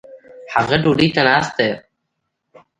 هغه ډوډي ته ناست دي